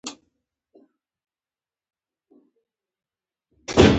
شتمن هېوادونه خپلې مرستې د سیاسي موخو لپاره هم کاروي.